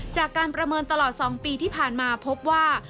จากการประเมินตลอด๒ปีที่ผ่านมาพบว่า